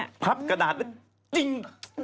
ใส่พับกระดาษจริง